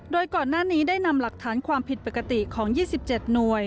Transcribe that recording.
โดยก่อนหน้านี้ได้นำหลักฐานความผิดปกติของ๒๗หน่วย